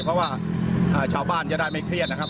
เพราะว่าชาวบ้านจะได้ไม่เครียดนะครับ